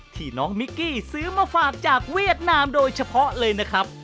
ที่น้องมิกกี้ซื้อมาฝากจากเวียดนามโดยเฉพาะเลยนะครับ